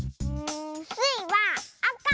スイはあか！